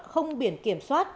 không biển kiểm soát